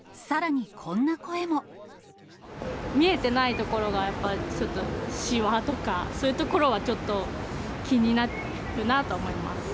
見えてないところがやっぱり、ちょっと、しわとか、そういうところはちょっと気になるなとは思います。